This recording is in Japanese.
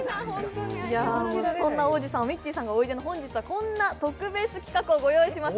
そんな王子様、ミッチーさんがおいでの今日はこんな特別企画をご用意しました。